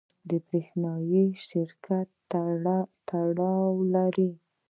برېښنایي سرکټ تړلی وي.